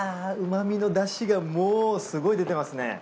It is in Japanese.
うまみのダシがもうすごい出てますね。